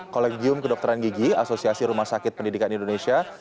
kolegium kedokteran gigi asosiasi rumah sakit pendidikan indonesia